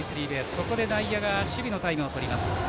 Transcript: ここで外野が守備のタイムをとります。